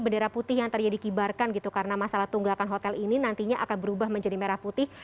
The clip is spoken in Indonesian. bendera putih yang tadinya dikibarkan gitu karena masalah tunggakan hotel ini nantinya akan berubah menjadi merah putih